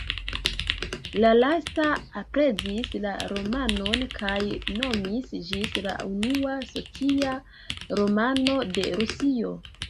La lasta aprezis la romanon kaj nomis ĝin la unua "socia romano" de Rusio.